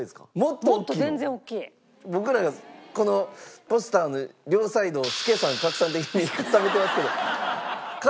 僕らがこのポスターの両サイドを助さん格さん的に固めてますけど。